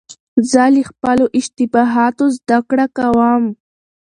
زه له خپلو اشتباهاتو زدهکړه کوم.